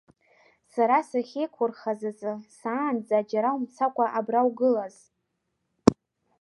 Сара сахьеиқәурхаз азы саанӡа џьара умцакәа абра угылаз!